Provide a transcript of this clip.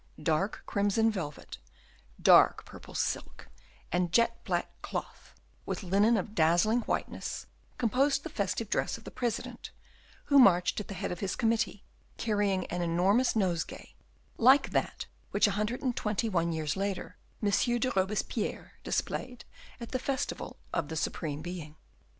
Dark crimson velvet, dark purple silk, and jet black cloth, with linen of dazzling whiteness, composed the festive dress of the President, who marched at the head of his Committee carrying an enormous nosegay, like that which a hundred and twenty one years later, Monsieur de Robespierre displayed at the festival of "The Supreme Being."